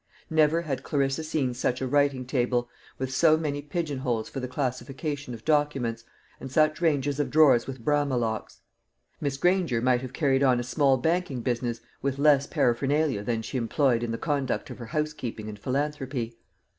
Never had Clarissa seen such a writing table, with so many pigeon holes for the classification of documents, and such ranges of drawers with Brahma locks. Miss Granger might have carried on a small banking business with less paraphernalia than she employed in the conduct of her housekeeping and philanthropy.